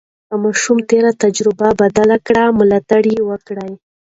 که ماشوم تېره تجربه بدله کړه، ملاتړ یې وکړئ.